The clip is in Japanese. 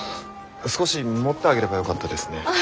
少し持ってあげればよかったですね。